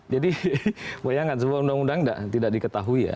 jadi bayangkan semua undang undang tidak diketahui ya